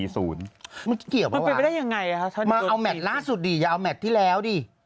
มันไปได้ยังไงอะมาเอาแมตต์ล่าสุดดิอย่าเอาแมตต์ที่แล้วดิ